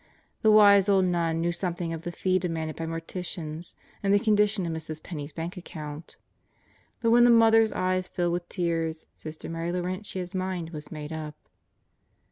The wise old nun knew something of the fee demanded by morticians and the condition The Dead Live and Work 205 of Mrs. Penney's bank account. But when the mother's eyes filled with tears, Sister Mary Laurentia's mind was made up.